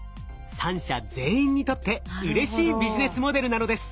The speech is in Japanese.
３者全員にとってうれしいビジネスモデルなのです。